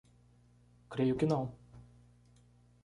Creio que não.